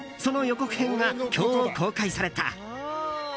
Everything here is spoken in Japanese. その予告編が今日公開された。